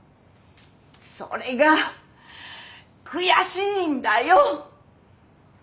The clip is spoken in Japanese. それが悔しいんだよ！